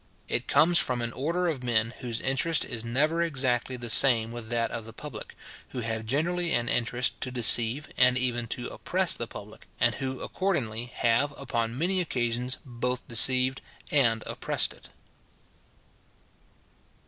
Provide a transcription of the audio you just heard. It comes from an order of men, whose interest is never exactly the same with that of the public, who have generally an interest to deceive and even to oppress the public, and who accordingly have, upon many occasions, both deceived and oppressed it.